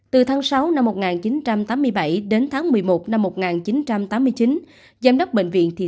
từ tháng sáu năm một nghìn chín trăm tám mươi hai đến tháng năm năm một nghìn chín trăm tám mươi bảy quyền giám đốc giám đốc bệnh viện điều dưỡng b